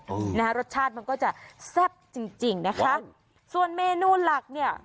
อืมนะฮะรสชาติมันก็จะแซ่บจริงจริงนะคะส่วนเมนูหลักเนี่ย